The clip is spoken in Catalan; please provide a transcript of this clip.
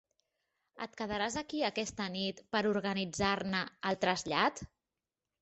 Et quedaràs aquí aquesta nit per organitzar-ne el trasllat?